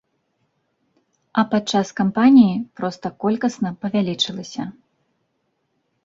А падчас кампаніі проста колькасна павялічылася.